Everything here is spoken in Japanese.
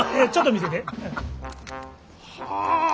はあ！